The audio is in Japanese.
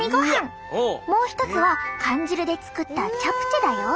もう一つは缶汁で作ったチャプチェだよ。